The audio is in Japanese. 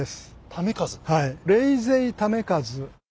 為和？